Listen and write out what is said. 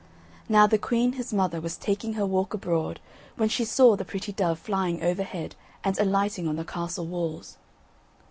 Now the queen his mother was taking her walk abroad when she saw the pretty dove flying overhead and alighting on the castle walls.